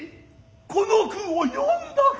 此の句を詠んだか。